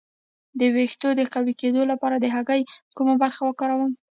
د ویښتو د قوي کیدو لپاره د هګۍ کومه برخه وکاروم؟